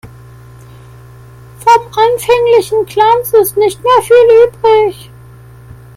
Vom anfänglichen Glanz ist nicht mehr viel übrig.